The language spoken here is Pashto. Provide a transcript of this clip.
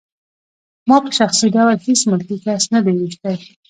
ما په شخصي ډول هېڅ ملکي کس نه دی ویشتی